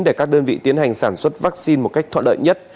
để các đơn vị tiến hành sản xuất vaccine một cách thoạt đợi nhất